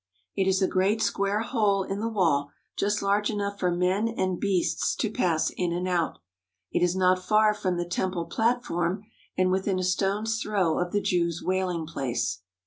It is a great square hole in the wall just large enough for men and beasts to pass in and out. It is not far from the temple platform and within a stone's throw of the Jews' wailing place.